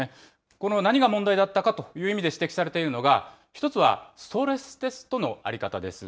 この何が問題だったかという意味で指摘されているのが、１つは、ストレステストの在り方です。